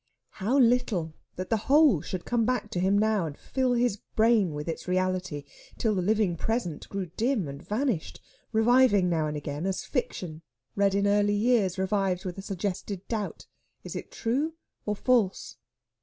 How little, that the whole should come back to him now, and fill his brain with its reality, till the living present grew dim and vanished; reviving now and again, as fiction, read in early years, revives with a suggested doubt is it true or false?